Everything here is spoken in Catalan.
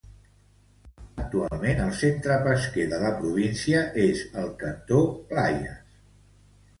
Actualment el centre pesquer de la província és el cantó Playas.